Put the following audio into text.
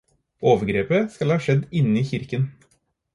Overgrepet skal ha skjedd inne i kirken.